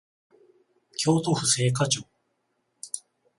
京都府精華町